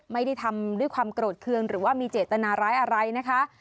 ไม่ได้ทำด้วยความโกรธเครื่องหรือว่ามีเจตนาร้ายอะไรนะคะ